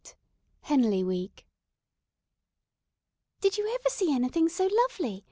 HENLEY WEEK "DID you ever see anything so lovely?